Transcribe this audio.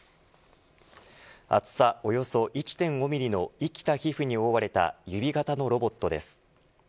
厚さおよそ１．５ミリの生きた皮膚に覆われた指型のロボットです。